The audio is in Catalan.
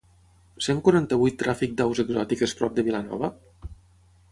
Cent quaranta-vuit tràfic d'aus exòtiques prop de Vilanova?